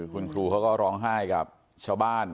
คุณครูเขาก็ร้องไห้กับชาวบ้าน